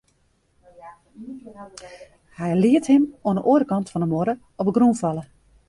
Hy liet him oan 'e oare kant fan de muorre op 'e grûn falle.